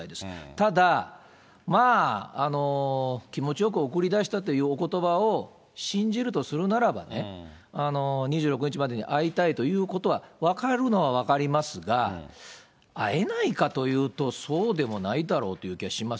ただ、まあ、気持ちよく送り出したいというおことばを信じるとするならばね、２６日までに会いたいということは、分かるのは分かりますが、会えないかというと、そうでもないだろうという気がします。